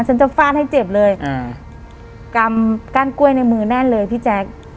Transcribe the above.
ฉันจะฟาดให้เจ็บเลยอ่ากำกั้นกล้วยในมือแน่นเลยพี่แจ๊ค